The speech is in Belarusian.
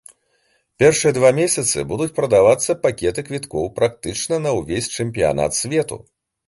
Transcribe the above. Першыя два месяцы будуць прадавацца пакеты квіткоў практычна на ўвесь чэмпіянат свету.